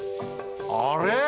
あれ？